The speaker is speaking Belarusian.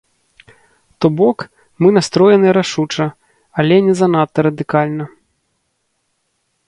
То бок, мы настроеныя рашуча, але не занадта радыкальна.